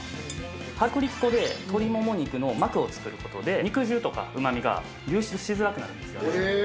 薄力粉で鶏もも肉の膜を作ることで、肉汁とかうまみが流出しづらくなるんですね。